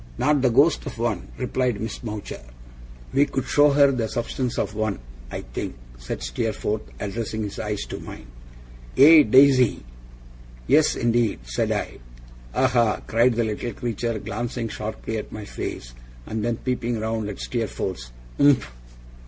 'Not the ghost of one,' replied Miss Mowcher. 'We could show her the substance of one, I think?' said Steerforth, addressing his eyes to mine. 'Eh, Daisy?' 'Yes, indeed,' said I. 'Aha?' cried the little creature, glancing sharply at my face, and then peeping round at Steerforth's. 'Umph?